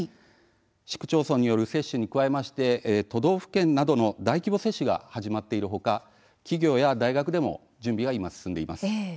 市区町村による接種に加えまして都道府県などの大規模接種が始まっているほか企業や大学でも準備が今、進んでいます。